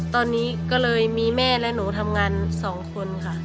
ตอนนี้ก็เลยมีแม่และหนูทำงาน๒คนค่ะ